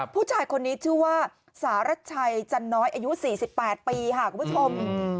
ผู้ชายคนนี้ชื่อว่าสารัชชัยจันน้อยอายุ๔๘ปีค่ะคุณผู้ชม